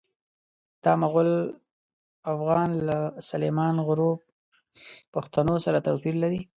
دا مغول اوغان له سلیمان غرو پښتنو سره توپیر لري.